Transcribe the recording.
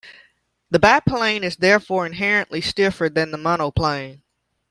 The biplane is therefore inherently stiffer than the monoplane.